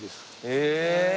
へえ。